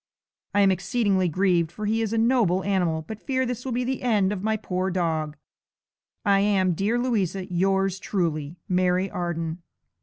I am exceedingly grieved, for he is a noble animal, but fear this will be the end of my poor dog. 'I am, dear Louisa, yours truly, 'Mary Arden.'